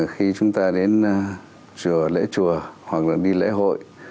khi chúng ta đến chùa lễ chùa hoặc là đi lễ hội